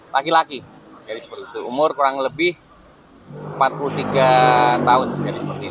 laki laki jadi seperti itu umur kurang lebih empat puluh tiga tahun jadi seperti ini